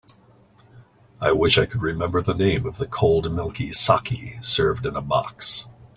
I wish I could remember the name of the cold milky saké served in a box.